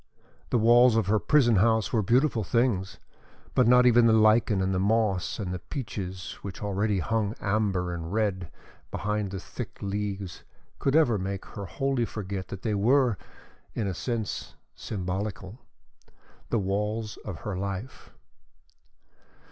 The walls of her prison house were beautiful things, but not even the lichen and the moss and the peaches which already hung amber and red behind the thick leaves could ever make her wholly forget that they were, in a sense, symbolical the walls of her life.